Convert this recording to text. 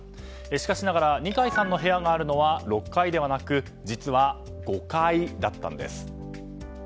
しかしながら二階さんの部屋があるのは６階ではなく実は５階だったんです。